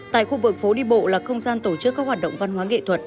tại khu vực phố đi bộ là không gian tổ chức các hoạt động văn hóa nghệ thuật